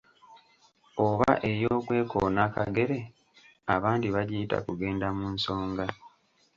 Oba “ey'okwekoona akagere” abandi bagiyita “kugenda mu nsonga”.